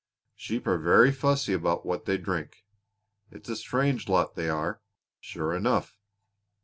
Sheep are very fussy about what they drink. It's a strange lot they are, sure enough!"